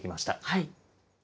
はい。